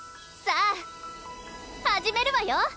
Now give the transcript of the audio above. さあ始めるわよ！